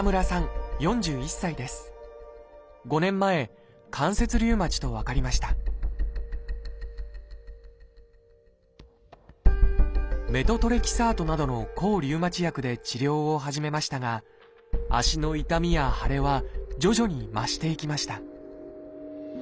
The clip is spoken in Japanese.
５年前関節リウマチと分かりましたメトトレキサートなどの抗リウマチ薬で治療を始めましたが足の痛みや腫れは徐々に増していきました